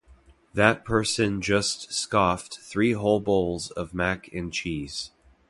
That person just scoffed three whole bowls of mac and cheese!